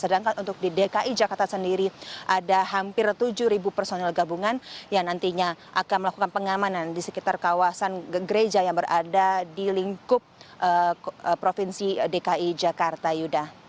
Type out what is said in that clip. sedangkan untuk di dki jakarta sendiri ada hampir tujuh personil gabungan yang nantinya akan melakukan pengamanan di sekitar kawasan gereja yang berada di lingkup provinsi dki jakarta yuda